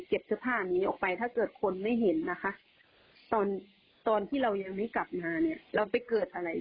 แล้วเขาเอาไปลงข่าวโจมตีเราอื้อซึ่งที่เราทำไปไม่ใช่เราไม่เสียใจ